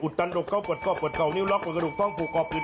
อุตตันดรกเกาะกวดเกาะเปิดทองกดกสังเขาคู่ค่อปิด